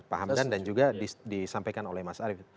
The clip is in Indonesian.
pak hamdan dan juga disampaikan oleh mas arief